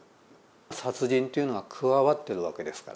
殺人というのが加わっているわけですから。